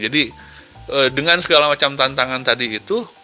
jadi dengan segala macam tantangan tadi itu